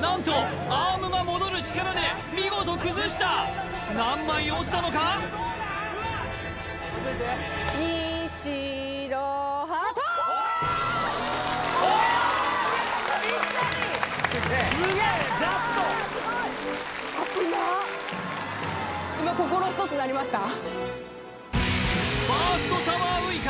何とアームが戻る力で見事崩した何枚落ちたのか・ぴったりすげえジャスト危なっファーストサマーウイカ